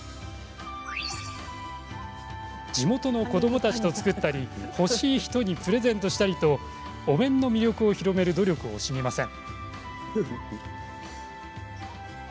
地元の子どもたちと作ったり欲しい人にプレゼントしたりとお面の魅力を広める努力を惜しみません。